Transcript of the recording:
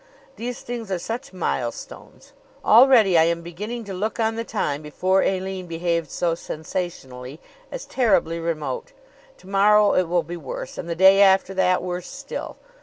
These things are such milestones. Already I am beginning to look on the time before Aline behaved so sensationally as terribly remote. To morrow it will be worse, and the day after that worse still.